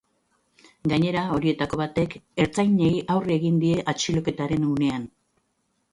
Gainera, horietako batek ertzainei aurre egin die atxiloketaren unean.